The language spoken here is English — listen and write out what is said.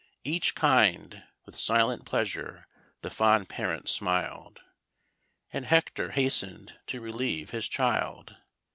each kind With silent pleasure the fond parent smil'd, And Hector hasten'd to relieve his child.